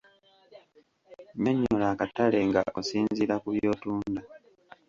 Nyonnyola akatale nga osinziira ku by’otunda.